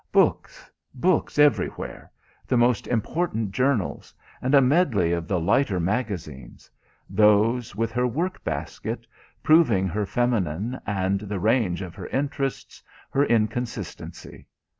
Books, books everywhere, the most important journals and a medley of the lighter magazines; those, with her work basket, proving her feminine and the range of her interests, her inconsistency.